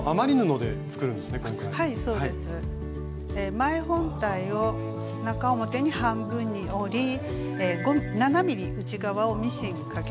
前本体を中表に半分に折り７ｍｍ内側をミシンかけます。